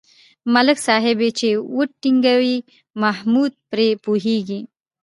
ملک صاحب یې چې و ټنگوي محمود پرې پوهېږي.